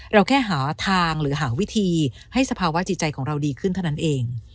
เราแค่หาทางหรือหาวิธีให้สภาวะจิตใจของเราดีขึ้นเท่านั้นเอง